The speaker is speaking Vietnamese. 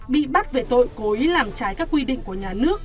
bị bắt về tội cối làm trái các quy định của nhà nước